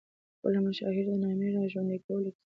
د خپلو مشاهیرو د نامې را ژوندي کولو کې.